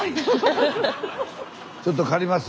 ちょっと借ります。